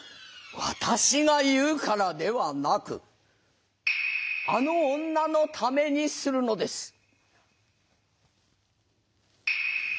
私が言うからではなくあの女のためにするのです。